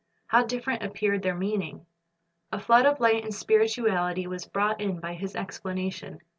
How different appeared their meaning ! A flood of light and spirituality was brought in by His explanation.